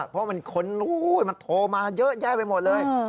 เพราะมันคนมันโทรมาเยอะแยะไปหมดเลย